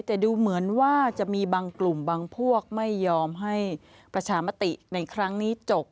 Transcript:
แต่ดูเหมือนว่าจะมีบางกลุ่มบางพวกไม่ยอมให้ประชามติในครั้งนี้จบ